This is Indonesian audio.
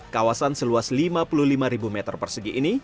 kawasan seluas lima puluh lima meter persegi ini